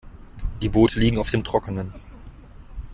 Die Boote liegen auf dem Trockenen.